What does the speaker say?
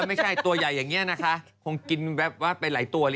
ไม่ใช่ตัวใหญ่อย่างนี้นะคะคงกินแบบว่าไปหลายตัวเลย